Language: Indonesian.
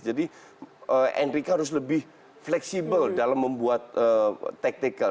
jadi enrique harus lebih fleksibel dalam membuat tactical